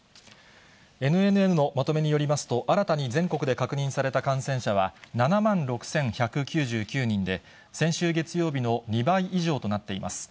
ＮＮＮのまとめによりますと、新たに全国で確認された感染者は７万６１９９人で、先週月曜日の２倍以上となっています。